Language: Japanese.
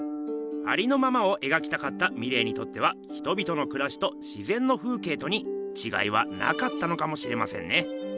ありのままを描きたかったミレーにとっては人々のくらしとしぜんの風景とにちがいはなかったのかもしれませんね。